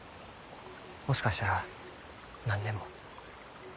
もしかしたら何年も。